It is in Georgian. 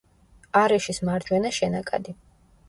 არეშის მარჯვენა შენაკადი.